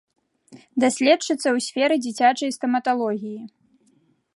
Даследчыца ў сферы дзіцячай стаматалогіі.